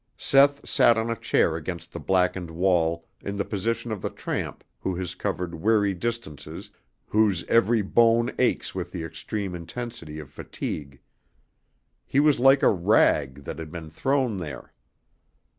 Seth sat on a chair against the blackened wall in the position of the tramp who has covered weary distances, whose every bone aches with the extreme intensity of fatigue. He was like a rag that had been thrown there.